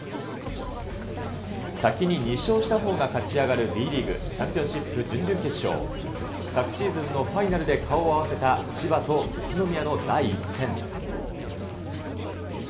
先に２勝したほうが勝ち上がるＢリーグ、チャンピオンシップ準々決勝。昨シーズンのファイナルで顔を合わせた千葉と宇都宮の第１戦。